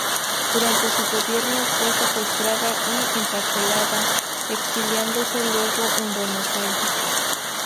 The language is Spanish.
Durante su gobierno fue secuestrada y encarcelada, exiliándose luego en Buenos Aires.